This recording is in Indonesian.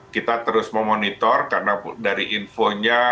kita terus memonitor karena dari infonya